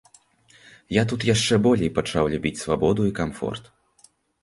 Я тут яшчэ болей пачаў любіць свабоду і камфорт.